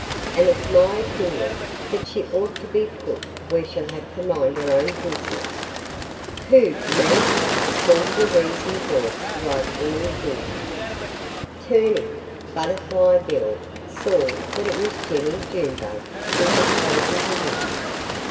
"And it's my opinion that she ought to be put where she'll have to mind her own business." "Who me?" called a wheezing voice right in his ear. Turning, Butterfly Bill saw that it was Jennie Junebug who had spoken to him.